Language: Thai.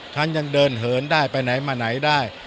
ท่านยังเดินเหินได้ไปไหนมาไหนได้